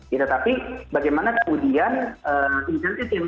gitu tapi bagaimana kemudian insentif yang